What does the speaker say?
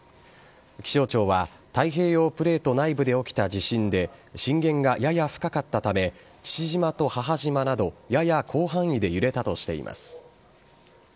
気象庁は、太平洋プレート内部で起きた地震で震源がやや深かったため、父島と母島など、やや広範囲で揺れたとしています。